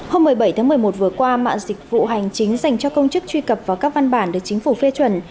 hôm một mươi bảy tháng một mươi một vừa qua mạng dịch vụ hành chính dành cho công chức truy cập vào các văn bản được chính phủ phê chuẩn